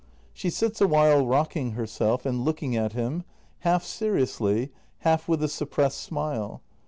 [She sits awhile rocking herself and looking at him, half seriously, half with a suppressed smile.